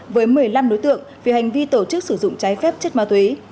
với một mươi năm đối tượng vì hành vi tổ chức sử dụng trái phép chất ma túy